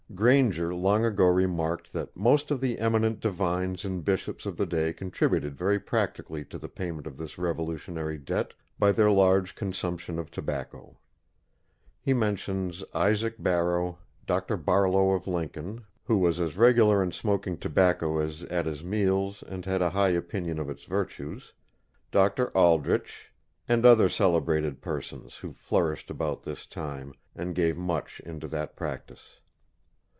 Granger long ago remarked that most of the eminent divines and bishops of the day contributed very practically to the payment of this revolutionary debt by their large consumption of tobacco. He mentions Isaac Barrow, Dr. Barlow of Lincoln, who was as regular in smoking tobacco as at his meals, and had a high opinion of its virtues, Dr. Aldrich, "and other celebrated persons who flourished about this time, and gave much into that practice."